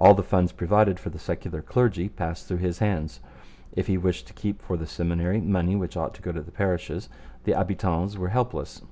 All the funds provided for the secular clergy passed through his hands. If he wished to keep for the Seminary money which ought to go to the parishes, the habitants were helpless.